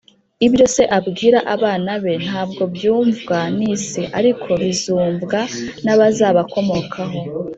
“ibyo se abwira abana be ntabwo byumvwa n'isi, ariko bizumvwa n'abazabakomokaho.